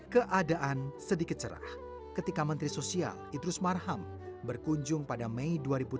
keadaan sedikit cerah ketika menteri sosial idrus marham berkunjung pada mei dua ribu delapan belas